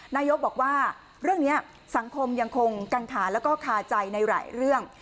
นายกบอกว่าเรื่องนี้สังคมยังคงกังขาแล้วก็คาใจในหลายเรื่อง